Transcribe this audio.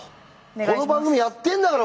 この番組やってんだから！